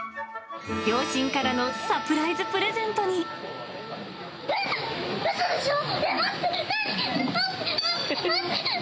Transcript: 両親からのサプライズプレゼントえっ？